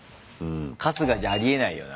春日じゃありえないよな。